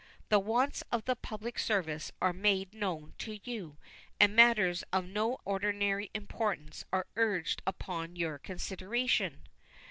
The wants of the public service are made known to you, and matters of no ordinary importance are urged upon your consideration.